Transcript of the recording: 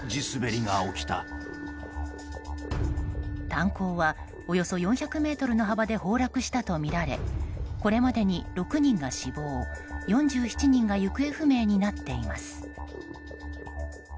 炭鉱は、およそ４００ｍの幅で崩落したとみられこれまでに６人が死亡、４７人が行方不明になっています。